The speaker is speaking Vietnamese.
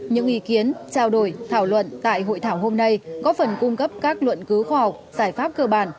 những ý kiến trao đổi thảo luận tại hội thảo hôm nay có phần cung cấp các luận cứu khoa học giải pháp cơ bản